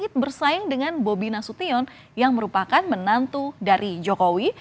ikut bersaing dengan bobi nasution yang merupakan menantu dari jokowi